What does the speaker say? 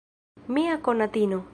Mia konatino.